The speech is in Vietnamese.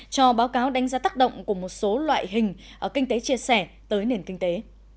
cho báo cáo đánh giá tác động của một số loại hình kinh tế chia sẻ tới nền kinh tế